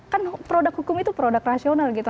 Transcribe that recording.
kan produk hukum itu produk rasional gitu